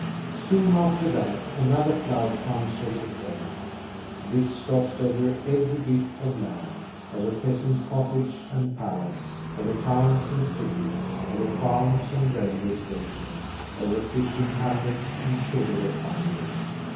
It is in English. Soon after that, another cloud comes over the plain. This stops over every bit of land; over peasant cottage and palace; over towns and cities; over farms and railway stations; over fishing hamlets and sugar refineries.